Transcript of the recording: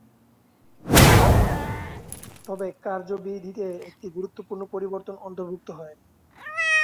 তবে কার্যবিধিতে একটি গুরুত্বপূর্ণ পরিবর্তন অন্তর্ভুক্ত হয়।